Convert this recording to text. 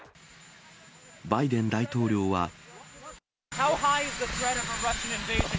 バイデン大統領は。